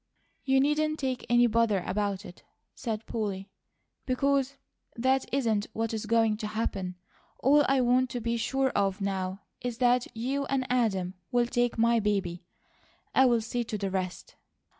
"You needn't take any bother about it," said Polly, "because that isn't what is going to happen. All I want to be sure of now is that you and Adam will take my baby. I'll see to the rest."